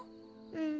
うん。